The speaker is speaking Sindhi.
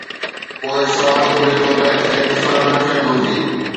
پوءِ سوال اڀري ٿو ته: احتساب نه ٿيڻ گهرجي؟